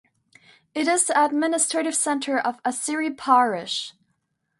It is the administrative centre of Aseri Parish.